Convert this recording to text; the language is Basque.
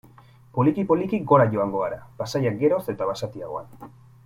Poliki-poliki gora joango gara, paisaia geroz eta basatiagoan.